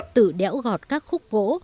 tự đéo gọt các khúc gỗ